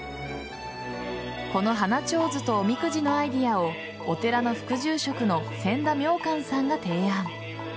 この花手水とおみくじのアイデアをお寺の副住職の千田明寛さんが提案。